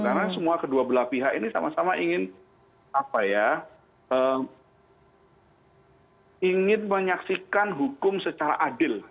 karena semua kedua belah pihak ini sama sama ingin apa ya ingin menyaksikan hukum secara adil